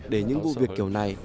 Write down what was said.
để những vụ việc kiểu này